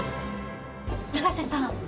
永瀬さん。